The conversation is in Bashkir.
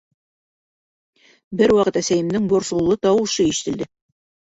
Бер ваҡыт әсәйемдең борсоулы тауышы ишетелде: